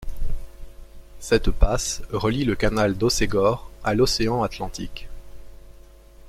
Cette passe relie le canal d'Hossegor a l'océan Atlantique.